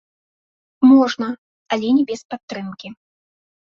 Можна, але не без падтрымкі.